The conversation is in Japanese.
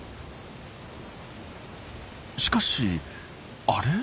しかしあれ？